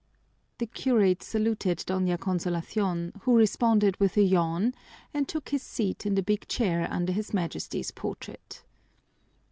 The curate saluted Doña Consolacion, who responded with a yawn, and took his seat in the big chair under his Majesty's portrait.